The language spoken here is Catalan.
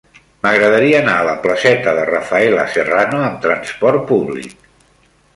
M'agradaria anar a la placeta de Rafaela Serrano amb trasport públic.